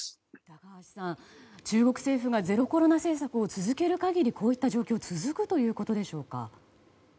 高橋さん、中国政府がゼロコロナ政策を続ける限りこういった状況続くということでしょうか。